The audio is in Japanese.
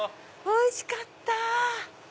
おいしかった！